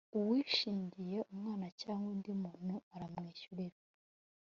uwishingiye umwana cyangwa undi muntu aramwishyurira